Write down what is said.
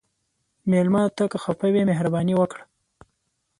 مېلمه ته که خفه وي، مهرباني وکړه.